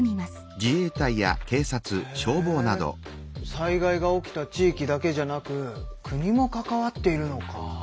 災害が起きた地域だけじゃなく国も関わっているのか。